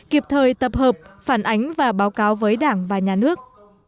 kịp thời tập hợp phản ánh và báo cáo với đảng và nhà nước